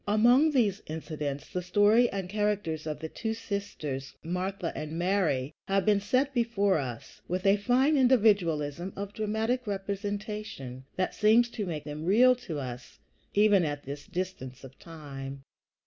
Among these incidents the story and characters of the two sisters, Martha and Mary, have been set before us with a fine individualism of dramatic representation that seems to make them real to us, even at this distance of time.